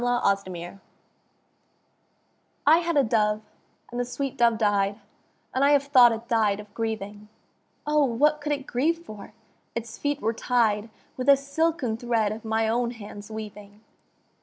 I HAD A DOVE I had a dove, and the sweet dove died; And I have thought it died of grieving; O, what could it grieve for? Its feet were tied With a silken thread of my own hands' weaving.